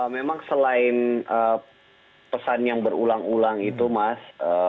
memang selain pesan yang berulang ulang itu mas